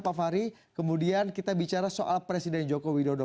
pak fahri kemudian kita bicara soal presiden joko widodo